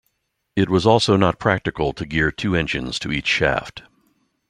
It was also not practical to gear two engines to each shaft.